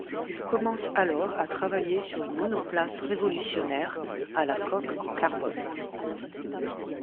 Il commence alors à travailler sur une monoplace révolutionnaire, à la coque en carbone.